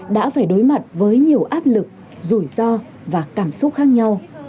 đã phải đối mặt với nhiều áp lực rủi ro và cảm xúc khác nhau